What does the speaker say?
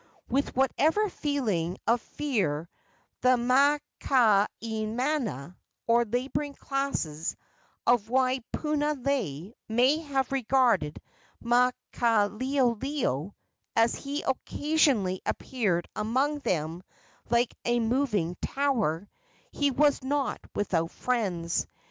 With whatever feeling of fear the makaainana, or laboring classes, of Waipunalei may have regarded Maukaleoleo, as he occasionally appeared among them like a moving tower, he was not without friends.